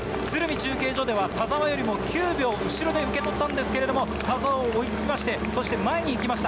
中継所では田澤よりも９秒後ろで受け取ったんですけれども、田澤を追いつきまして、そして前へ行きました。